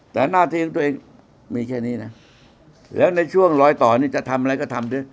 แต่หน้าที่ของตัวเองมีแค่นี้นะแล้วในช่วงรอยต่อนี่จะทำอะไรก็ทำด้วย